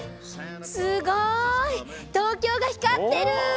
すごい！東京が光ってる！